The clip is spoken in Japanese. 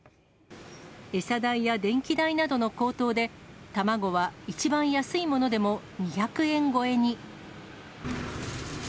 餌代や電気代などの高騰で、卵は一番安いものでも２００円超えに。